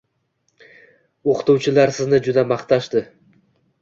O`qituvchilar sizni juda maqtashdi